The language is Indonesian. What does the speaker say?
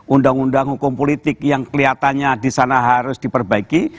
undang undang hukum politik yang kelihatannya di sana harus diperbaiki